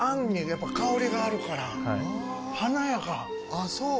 あっそう。